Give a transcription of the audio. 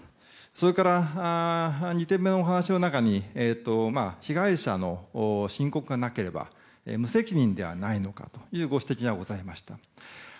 それから、２点目のお話の中に被害者の申告がなければ無責任ではないのかというご指摘がございました。